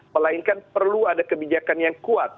melainkan perlu ada kebijakan yang kuat